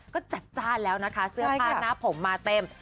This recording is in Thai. ก็จัดจ้านแล้วนะคะเสื้อผ้าหน้าผมมาเต็ม